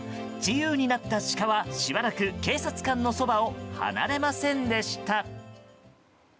自由になったシカはしばらく警察官のそばを離れませんでした。